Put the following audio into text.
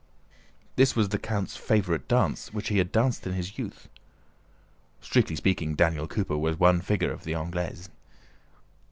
This was the count's favorite dance, which he had danced in his youth. (Strictly speaking, Daniel Cooper was one figure of the anglaise.)